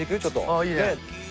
あっいいね。